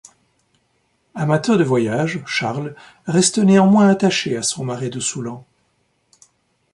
Amateur de voyages, Charles reste néanmoins attaché à son marais de Soullans.